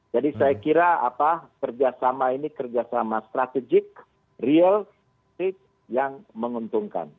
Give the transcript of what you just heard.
jadi saya kira kerjasama ini kerjasama strategik real yang menguntungkan